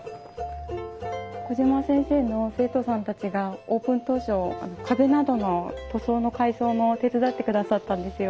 小島先生の生徒さんたちがオープン当初壁などの塗装の改装も手伝ってくださったんですよ。